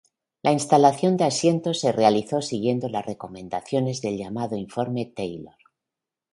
La instalación de asientos se realizó siguiendo las recomendaciones del llamado informe Taylor.